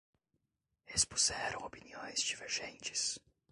Expuseram opiniões divergentes